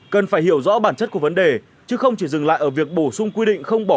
cần phải hiểu rõ bản chất của vấn đề chứ không chỉ dừng lại ở việc bổ sung quy định không bỏ